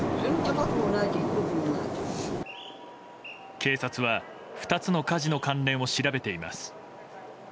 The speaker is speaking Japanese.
警察は２つの火事の関連を調べています。